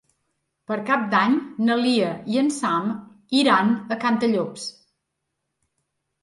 Per Cap d'Any na Lia i en Sam iran a Cantallops.